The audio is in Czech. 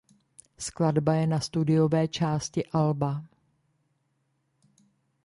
Skladba je na studiové části alba.